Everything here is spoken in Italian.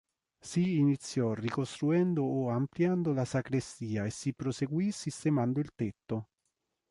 Si iniziò ricostruendo o ampliando la sacrestia e si proseguì sistemando il tetto.